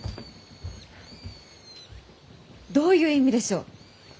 どういう意味でしょう？